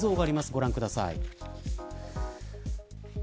ご覧ください。